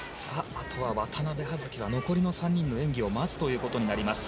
あとは渡部葉月が残りの３人の演技を待つということになります。